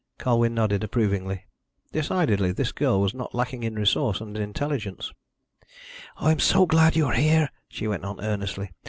Colwyn nodded approvingly. Decidedly this girl was not lacking in resource and intelligence. "I am so glad you are here," she went on earnestly.